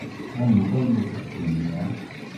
我唔鍾意食甜野